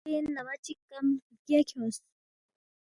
یو بین نمہ چِک کم بگیا کھیونگس